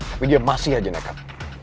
tapi dia masih aja nekat